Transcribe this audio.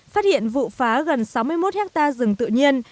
phát hiện vụ phá gần sáu mươi một hectare rừng tự nhiên